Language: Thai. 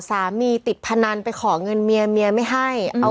ติดพนันไปขอเงินเมียเมียไม่ให้เอา